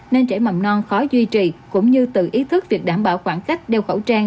nên trẻ mầm non khó duy trì cũng như tự ý thức việc đảm bảo khoảng cách đeo khẩu trang